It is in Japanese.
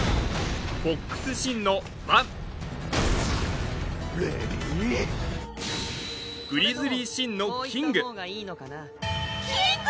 フォックス・シンのバンレディグリズリー・シンのキング・キング！？